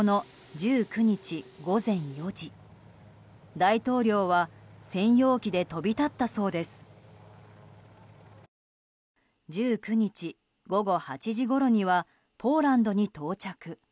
１９日午後８時ごろにはポーランドに到着。